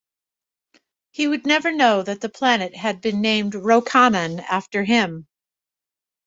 He would never know that the planet had been named Rokanan after him.